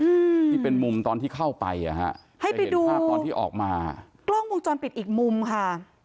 อืมที่เป็นมุมตอนที่เข้าไปอ่ะฮะให้ไปดูภาพตอนที่ออกมากล้องวงจรปิดอีกมุมค่ะ